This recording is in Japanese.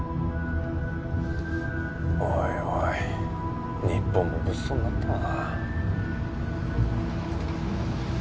おいおい日本も物騒になったな。